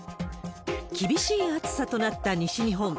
厳しい暑さとなった西日本。